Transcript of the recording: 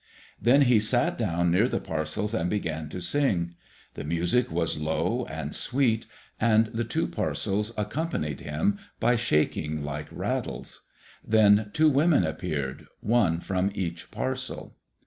Then he sat down near the parcels and began to sing. The music was low and sweet and the two parcels accompanied him, by shaking like rattles. Then two women appeared, one from each parcel.